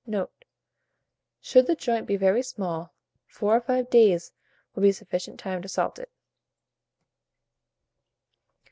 Note. Should the joint be very small, 4 or 5 days will be sufficient time to salt it.